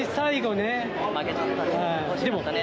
負けちゃったね。